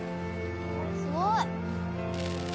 「すごい」